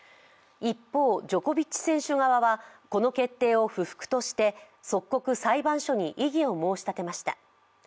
一方、ジョコビッチ選手側はこの決定を不服として即刻、裁判所に異議を申し立てました。